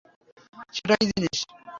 সেটা কী জিনিস?